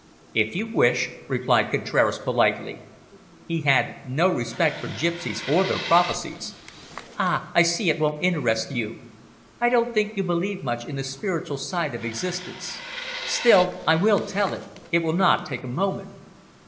"If you wish," replied Contraras politely. He had no respect for gipsies or their prophecies. "Ah, I see it won't interest you. I don't think you believe much in the spiritual side of existence. Still, I will tell it; it will not take a moment.